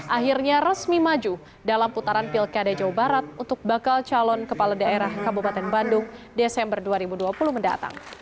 akhirnya resmi maju dalam putaran pilkada jawa barat untuk bakal calon kepala daerah kabupaten bandung desember dua ribu dua puluh mendatang